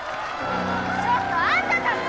ちょっとあんたたち！